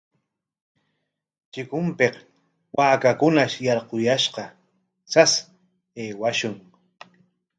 Chikunpik waakakunash yarquyashqa, sas aywashun.